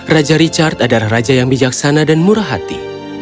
raja richard adalah raja yang bijaksana dan murah hati